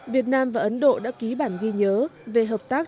việt nam và ấn độ đã ký bản ghi nhớ về hợp tác